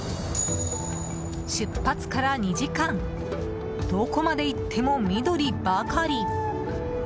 出発から２時間どこまで行っても緑ばかり。